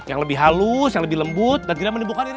yang lebih halus yang lebih lembut dan tidak menimbulkan